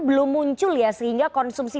belum muncul ya sehingga konsumsi